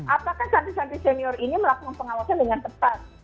apakah santri santri senior ini melakukan pengawasan dengan tepat